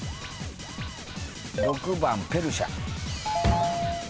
６番ペルシャ。